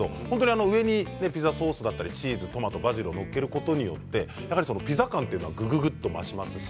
上にピザソースやチーズ、トマトバジルを載っけることでピザの感じはぐぐっと増しますね。